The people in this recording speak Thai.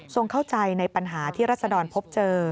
เข้าใจในปัญหาที่รัศดรพบเจอ